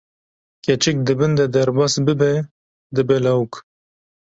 keçik di bin de derbas bibe dibe lawik!